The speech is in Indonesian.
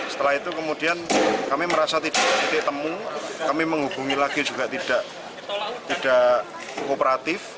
setelah itu kemudian kami merasa tidak temu kami menghubungi lagi juga tidak kooperatif